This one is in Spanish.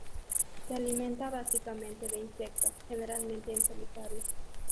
Se alimenta básicamente de insectos, generalmente en solitario.